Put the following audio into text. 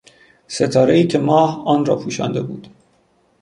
ستارهای که ماه آن را پوشانده بود